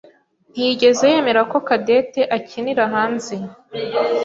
ntiyigeze yemera ko Cadette akinira hanze.